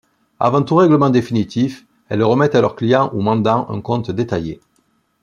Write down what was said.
Avant tout règlement définitif, elles remettent à leur client ou mandant un compte détaillé.